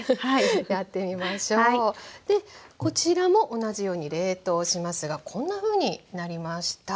でこちらも同じように冷凍しますがこんなふうになりました。